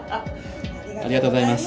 ありがとうございます。